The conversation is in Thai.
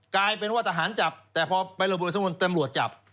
กลายเป็นว่าทหารจับแต่พอไประเบิดสำนวนตำรวจจับ